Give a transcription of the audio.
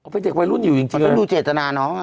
เป็นเด็กวัยรุ่นอยู่จริง